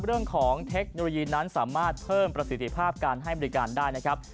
เรื่องของเทคโนโลยีนั้นสามารถเพิ่มประสิทธิภาพการให้บริการได้นะครับ